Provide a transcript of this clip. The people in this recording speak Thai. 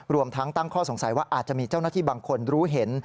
รวมทั้งตั้งข้อสงสัยว่าอาจจะมีเจ้าหน้าที่บางคนรู้เห็น